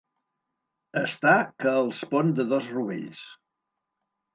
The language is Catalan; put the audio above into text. Estar que els pon de dos rovells.